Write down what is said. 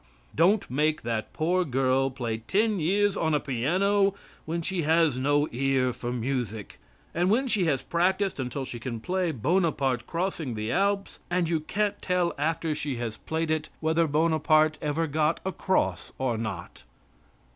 Don't make that poor girl play ten years on a piano when she has no ear for music, and when she has practiced until she can play "Bonaparte crossing the Alps," and you can't tell after she has played it whether Bonaparte ever got across or not.